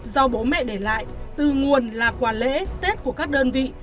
do bố mẹ để lại từ nguồn là quà lễ tết của các đơn vị